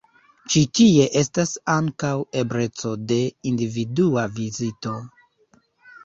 Ĉi tie estas ankaŭ ebleco de individua vizito.